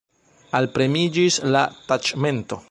Alpremiĝis la taĉmento.